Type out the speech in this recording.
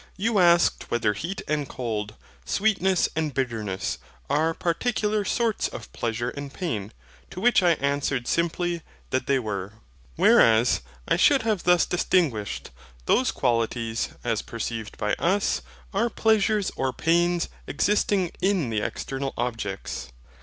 You asked whether heat and cold, sweetness at were not particular sorts of pleasure and pain; to which simply, that they were. Whereas I should have thus distinguished: those qualities, as perceived by us, are pleasures or pair existing in the external objects.